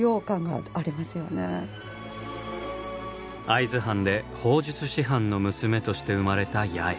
会津藩で砲術師範の娘として生まれた八重。